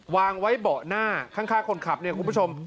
วางไว้เบาะหน้าข้างคนขับเนี่ยคุณผู้ชม